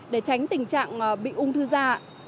để tránh tình trạng bị ung thư da